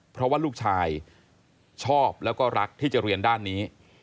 เพราะว่าลูกชายชอบแล้วก็รักที่จะเรียนด้านนี้